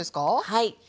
はい。